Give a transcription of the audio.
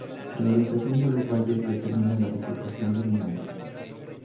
La orientación de los valles determina la vegetación dominante.